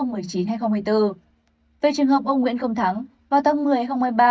về trường hợp ông nguyễn công thắng vào tháng một mươi hai nghìn hai mươi ba